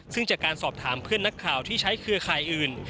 ซึ่งจากการสอบถามเพื่อนนักข่าวที่ใช้เครือข่ายอื่น